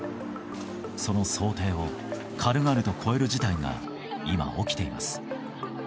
その想定を軽々と超える事態が今、起きています。